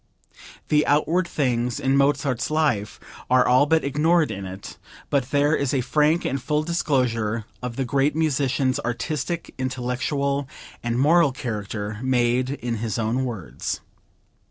The outward things in Mozart's life are all but ignored in it, but there is a frank and full disclosure of the great musician's artistic, intellectual and moral character, made in his own words.